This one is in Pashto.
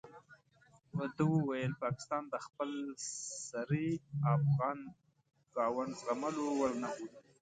ده وویل پاکستان د خپل سرۍ افغان ګاونډ زغملو وړ نه بولي.